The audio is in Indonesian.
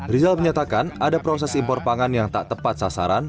rizal menyatakan ada proses impor pangan yang tak tepat sasaran